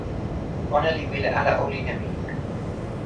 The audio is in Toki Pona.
ona li wile ala olin e mi.